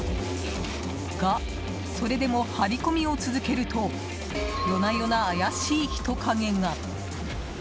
が、それでも張り込みを続けると夜な夜な怪しい人影が。